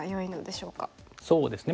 そうですね